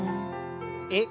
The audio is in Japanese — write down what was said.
えっ？